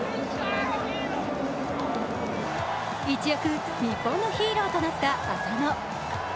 一躍、日本のヒーローとなった浅野。